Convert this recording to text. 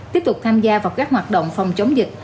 tiếp tục tham gia vào các hoạt động phòng chống dịch